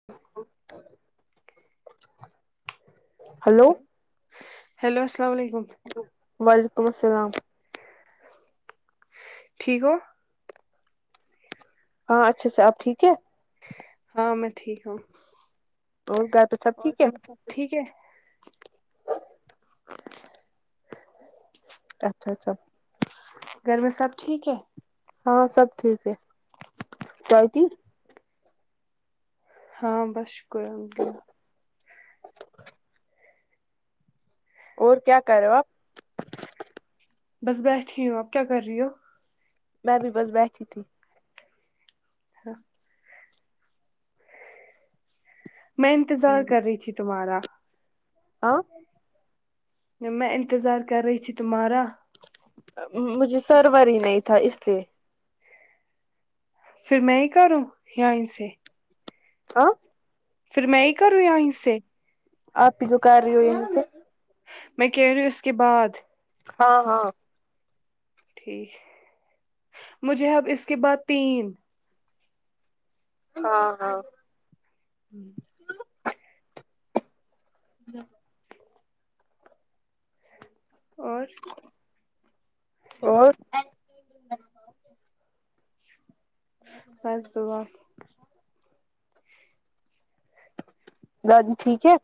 ہ ہیلو السلام علیکم وعلیکم السلام ٹھیک ہو ہاں اچھا سے آپ ٹھیک ہے ہاں میں ٹھیک ہوں اور گا تو اور ہم سب ٹھیک ہے اچھا اچھا گھر میں سب ٹھیک ہے ہاں سب ٹھیک ہے چوتی ہاں بس شکر الحمد اللہ اور کیا کر رہو آپ بس بیٹھی ہوں آپ کیا کر رہی ہو میں بھی بس بیٹھی تھی ہاں میں انتظار کر رہی تھی تمہارا ہا میں انتظار کر رہی تھی تمہارا مجھے سرورور ہی نہیں تھا اس لیے پھر میں ہی کروں یہ ان سے ہاں پھر میں ہی کروں یہ ان سے آپ جو کر رہی ہو یہاں سے میں کہ رہی اس کے بعد ہاں ہاں ٹھیک مجھے اب اس کے بعد تین ہاں ہاں [inaudible] اور اور بس دعا دادی ٹھیک ہے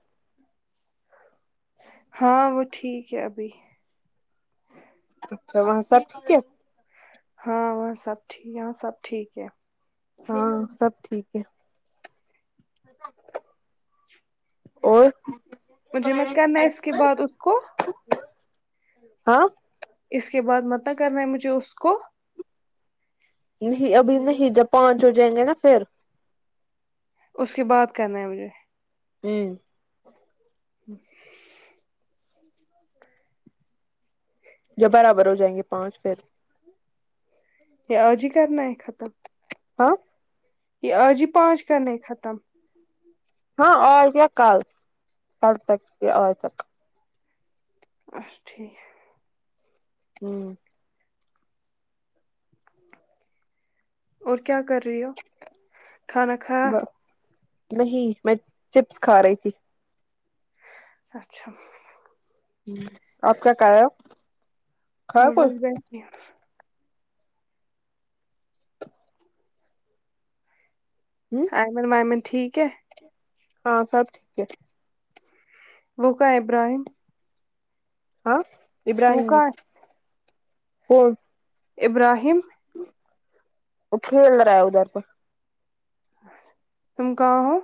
ہاں وہ ٹھیک ہے ابھی اچھا وہاں سب ٹھیک ہے ہاں وہاں سب ٹھیک ہے یہاں سب ٹھیک ہے ہاں سب ٹھیک ہے اور مجھے مت کرنا ہے اس کے بعد اس کو ہاں اس کے بعد متع کرنا ہے مجھے اس کو نہیں ابھی نہیں جب پانچ ہو جائیں گے نا پھر اس کے بعد کرنا ہے مجھے جی جب برابر ہو جائیں گے پانچ پ یہ اج ہی کرنا ہے ختم ہاں یہ آج ہی پانچ کرنے ختم ہاں اج یا کل کر سکتی ہے اج یا کل اچھا ٹھیک ہمم اور کیا کر رہی ہو کھانا کھایا نہیں میں چپس کھا رہی تھی اچھا ہمم آپ کا کا یا میں بس بڑھتی ہ وائمن وائمن [unintelligible] ٹھیک ہے ہاں سب ٹھیک ہے وہ کہاں ہے ابراہیم ہاں وہ ابراہم بھی کہاں کون ابراہیم وہ کھیل رہا ہے ادھر پر تم کہا ہو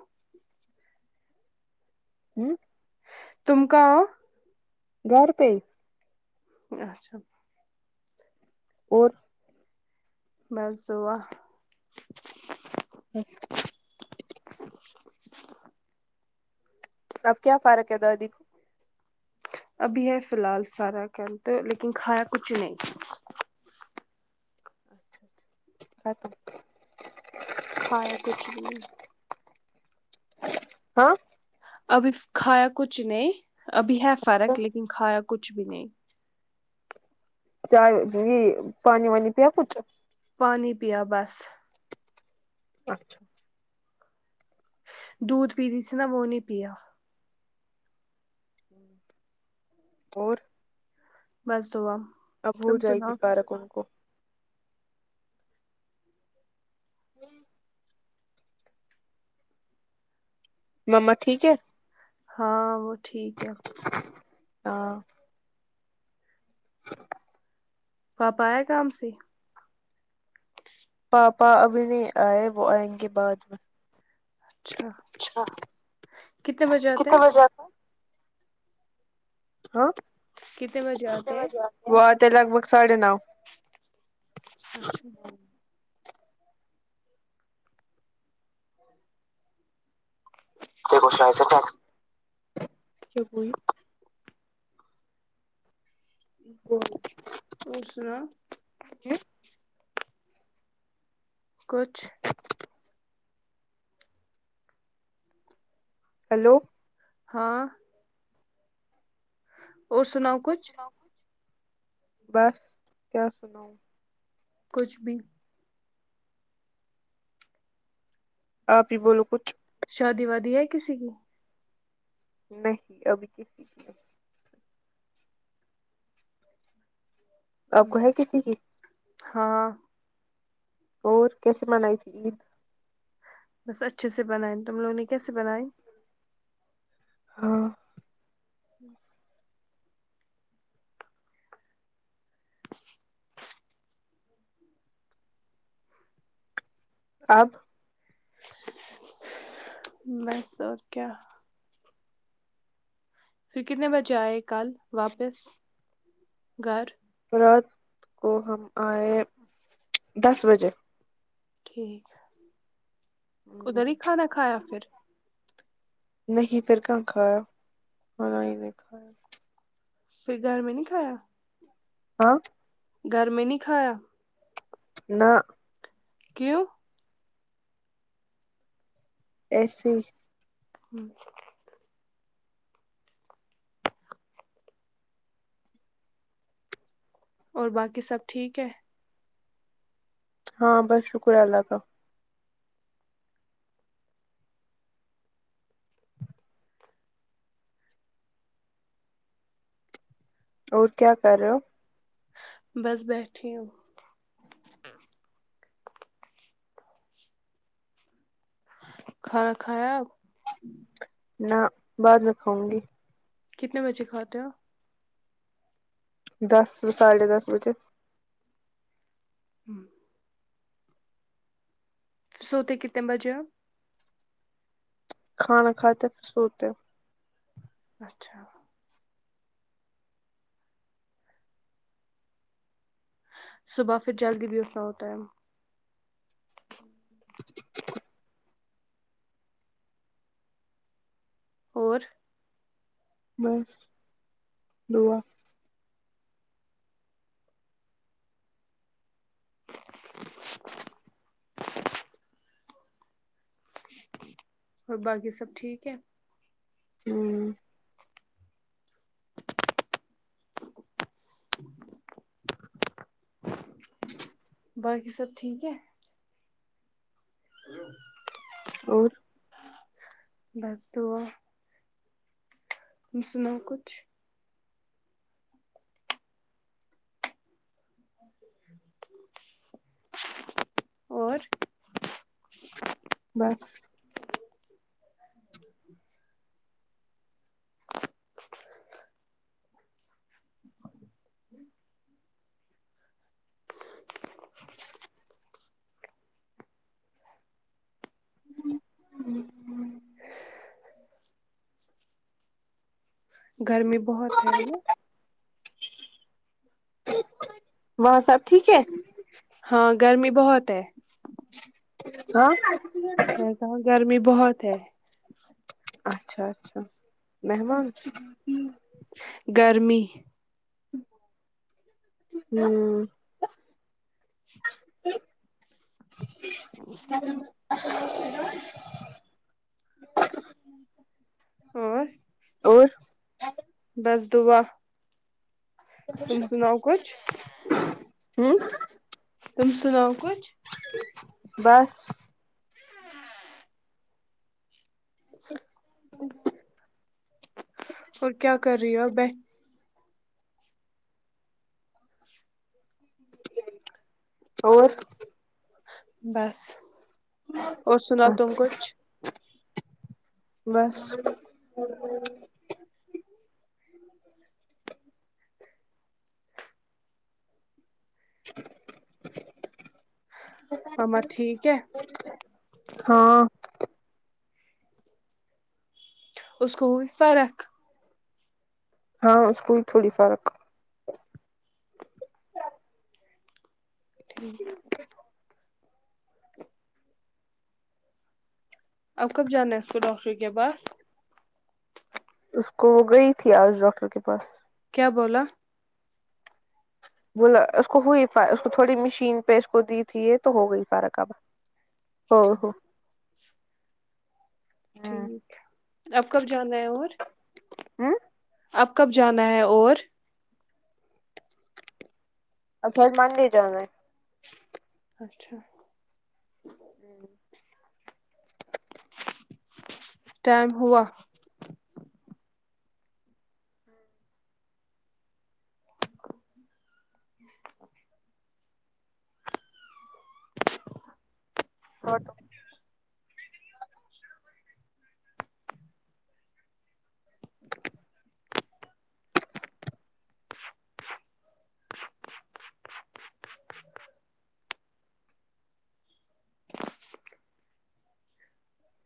ہم تم کہا ہو گھر پہ اچھا اور بس دعا جی اب کیا فرق ہے دادی کو ابھی ہے فی الحال سارا کنٹ لیکن کھایا کچھ نہیں اچھا اچھا ختم کھایا کچھ بھی نہیں ہاں ابھی کھایا کچھ نہیں ابھی ہے فرق لیکن کھایا کچھ بھی نہیں چاہ یہ پانی وانی پیا کچھ پانی پیا بس اچھا دودھ پی سے نا وہ نہیں پیا اور بس دعا اب ہو تم جائے گی سناؤ فرک ان کو [inaudible] مما ٹھیک ہے ہاں وہ ٹھیک ہے ہاں پاپا آئے کام سے پاپا ابھی نہیں آئے وہ آئیں گے بعد میں اچھا اچھا کتنے بجے آتے کتنے ہیں بجے ہاں کتنے بجے آتے ہیں وہ آتے لگ بھگ ساڑھے نو اچھا [unintelligible] کیا کوئی کون اور سنا کچھ ہیلو ہاں اور سناؤ کچھ بس کیا سناؤ کچھ بھی آپ ہی بولو کچھ شادی وادی ہے کسی کی نہیں ابھی کسی کی آپ ہم۔ کو ہے کسی کی ہاں اور کیسے منائی تھی عید بس اچھے سے بنیں تم لوگوں نے کیسے بنائ ہاں اب بس اور کیا پھر کتنے بجے آئے کل واپس گھر رات کو ہم آئے دس بجے ٹھیک ہے ادھر ہی کھانا کھایا پھر نہیں پھر کہاں کھایا ہی نے کھایا پھر گھر میں نہیں کھایا ہاں گھر میں نہیں کھایا نہ کیوں ا یسے اور باقی سب ٹھیک ہے ہاں بس شکرہے اللہ کا اور کیا کر رہے ہو بس بیٹھی ہوں کھانا کھایا نہ بعد میں کھاؤں گی کتنے بجے کھاتے ہو دس ساڑھے دس بجے ہو سوتے کتنے بجے ہو کھانا کھاتے سوتے اچھا صبح پھر جلدی بھی اٹھنا ہوتا ہے اور بس دعا اور باقی سب ٹھیک ہے امم باقی سب ٹھیک ہے ہلو اور بس دعاہے اسمیں کچھ اور بس [unintelligible] گرمی بہت ہے نے وہاں سب ٹھیک ہے ہاں گرمی بہت ہے ہاں میں کہا گرمی بہت ہے اچھا اچھا مہمان گرمی امم اسسسس اور اور بس دعا تم سناؤ کچھ امم تم سناو کچھ بس ہ اور کیا کر رہی ہو ب اور بس اور سناؤ تم اچھا کچھ بس اور [inaudible] مما ٹھیک ہے ہاں اس کو فرق ہاں اس کو ہی تھوڑی فرق ٹھیک اب کب جانا ہے اس کو ڈاکٹر کے پاس اس کو وہ گئی تھی آج ڈاکٹر کے پاس کیا بولا بولا اس کو ہوئی اس کو تھوڑی مشین پہ اس کو دی تھی یہ تو ہو گئی فارق اب ہاں ہاں ٹھیک ہے اب کب جانا ہے اور ہاں اب کب جانا ہے اور اپ منڈے جانا ہے اچھا ہوں ٹائم ہوا کٹ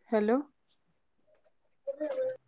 ہیلو [inaudible]